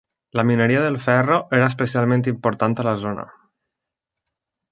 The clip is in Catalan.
La mineria del ferro era especialment important a la zona.